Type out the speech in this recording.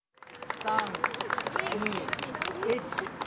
３２１。